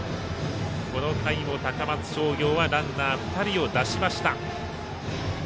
この回も高松商業はランナー２人を出しました。